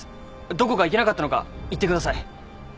どこがいけなかったのか言ってください。